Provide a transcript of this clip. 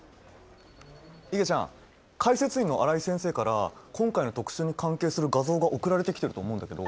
いげちゃん解説委員の新井先生から今回の特集に関係する画像が送られてきてると思うんだけど。